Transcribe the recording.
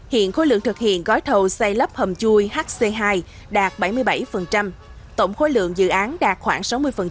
hiện khối lượng thực hiện gói thầu xây lắp hầm chui hc hai đạt bảy mươi bảy tổng khối lượng dự án đạt khoảng sáu mươi